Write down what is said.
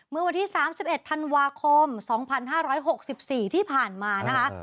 เมื่อวันที่๓๑ธันวาคม๒๕๖๔ที่ผ่านมานะคะ